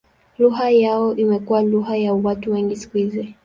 Lugha yao imekuwa lugha ya watu wengi siku hizi.